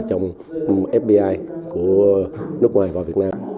trong fbi của nước ngoài và việt nam